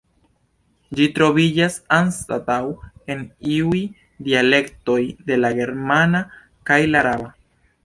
Ĝi troviĝas anstataŭ en iuj dialektoj de la germana kaj la araba.